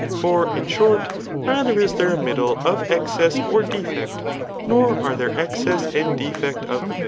For, in shor^ neither is there a middle of excess or defect, nor are there excess and defect of the middle.